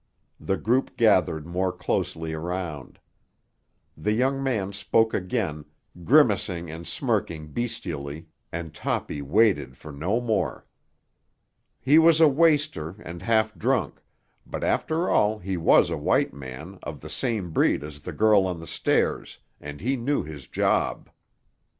The group gathered more closely around. The young man spoke again, grimacing and smirking bestially, and Toppy waited for no more. He was a waster and half drunk; but after all he was a white man, of the same breed as the girl on the stairs, and he knew his job.